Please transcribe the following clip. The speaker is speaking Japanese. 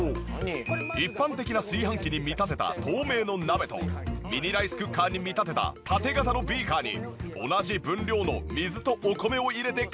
一般的な炊飯器に見立てた透明の鍋とミニライスクッカーに見立てた縦型のビーカーに同じ分量の水とお米を入れて加熱。